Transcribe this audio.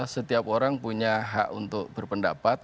setiap orang punya hak untuk berpendapat